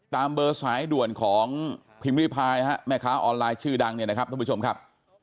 ตามเบอร์สายด่วนของพิมพ์ริพายแม่ค้าออนไลน์ชื่อดังเนี่ยนะครับท่านผู้ชมครับ